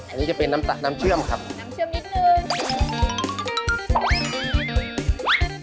อันนี้จะเป็นน้ำตาน้ำเชื่อมครับน้ำเชื่อมนิดนึง